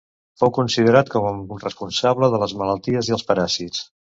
Fou considerat com responsable de les malalties i els paràsits.